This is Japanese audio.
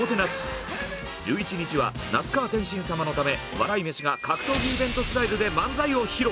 １１日は那須川天心様のため笑い飯が格闘技イベントスタイルで漫才を披露。